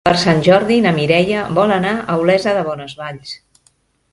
Per Sant Jordi na Mireia vol anar a Olesa de Bonesvalls.